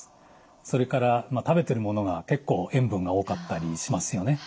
それから食べてるものが結構塩分が多かったりしますよね。